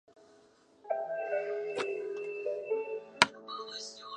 虚拟过山车直至太古站新出口建成连接商场地下才搬走。